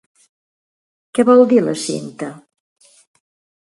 Què vol dir la cinta?